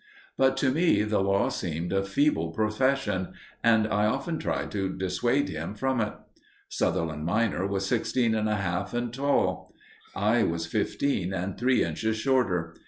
But to me the law seemed a feeble profession, and I often tried to dissuade him from it. Sutherland minor was sixteen and a half and tall; I was fifteen, and three inches shorter.